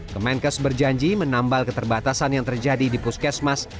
kemenkes berjanji menambal keterbatasan yang terjadi di puskesmas